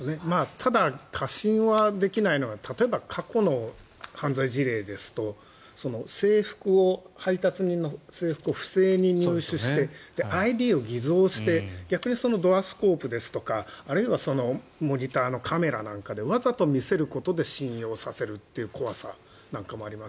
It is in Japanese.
ただ過信はできないのが例えば、過去の犯罪事例ですと配達人の制服を不正に入手してＩＤを偽造して逆にドアスコープですとかあるいはモニターのカメラなんかでわざと見せることで信用させるという怖さなんかもあります。